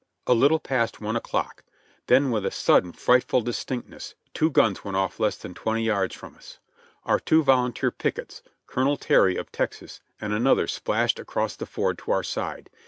A little past one o'clock, then with a sudden, frightful distinct ness two guns went ofi less than twenty yards from us. Our two volunteer pickets. Colonel Terr}', of Texas, and another, splashed across the ford to our side.